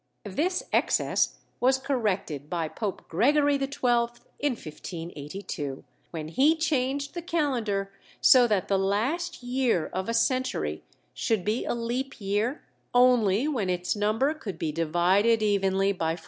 This excess was corrected by Pope Gregory XII in 1582, when he changed the calendar so that the last year of a century should be a leap year only when its number could be divided evenly by 400.